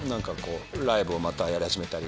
ライブをまたやり始めたり。